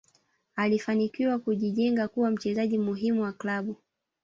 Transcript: alifanikiwa kujijenga kuwa mchezaji muhimu wa klabu